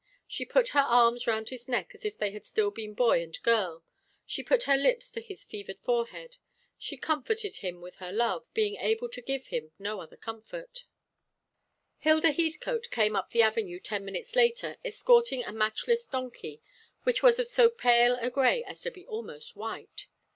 She put her arms round his neck as if they had still been boy and girl. She put her lips to his fevered forehead. She comforted him with her love, being able to give him no other comfort. Hilda Heathcote came up the avenue ten minutes later, escorting a matchless donkey, which was of so pale a gray as to be almost white.